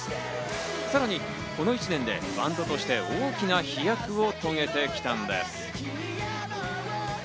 さらにこの１年でバンドとして大きな飛躍を遂げてきたんです。